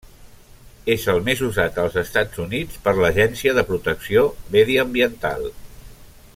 És el més usat als Estats Units per l'Agència de Protecció Mediambiental.